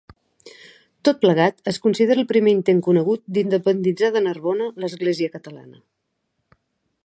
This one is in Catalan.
Tot plegat es considera el primer intent conegut d'independitzar de Narbona l'Església catalana.